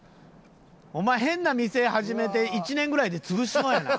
お前変な店始めて１年ぐらいで潰しそうやな。